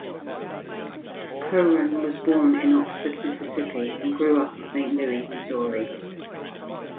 Cohran was born in Oxford, Mississippi and grew up in Saint Louis, Missouri.